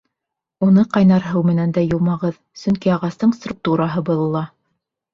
Уны ҡайнар һыу менән дә йыумағыҙ, сөнки ағастың структураһы боҙола.